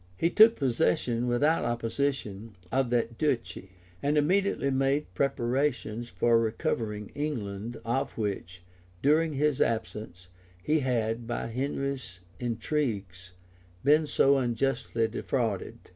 {1101.} He took possession, without opposition, of that duchy; and immediately made preparations for recovering England, of which, during his absence, he had, by Henry's intrigues, been so unjustly defrauded.